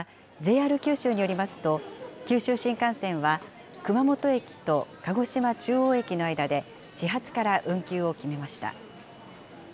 また、ＪＲ九州によりますと、九州新幹線は熊本駅と鹿児島中央駅の間で、始発から運休を決めました。